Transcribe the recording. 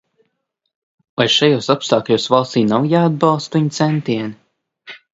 Vai šajos apstākļos valstij nav jāatbalsta viņu centieni?